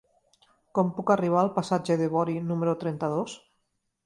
Com puc arribar al passatge de Bori número trenta-dos?